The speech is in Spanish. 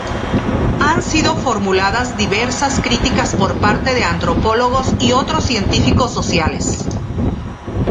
Han sido formuladas diversas críticas por parte de antropólogos y otros científicos sociales.